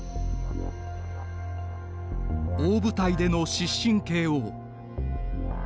大舞台での失神ＫＯ。